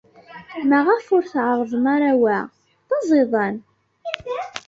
Maɣef ur tɛerrḍem ara wa? D aẓidan.